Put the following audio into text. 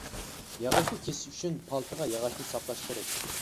ياغاچنى كېسىش ئۈچۈن پالتىغا ياغاچنى ساپلاش كېرەك.